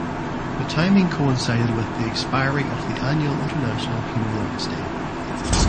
The timing coincided with the expiry of the annual International Human Rights Day.